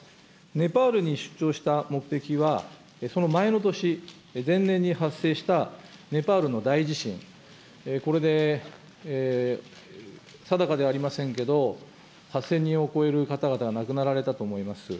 ネパールに出張した目的は、その前の年、前年に発生したネパールの大地震、これで、定かではありませんけれども、８０００人を超える方々が亡くなられたと思います。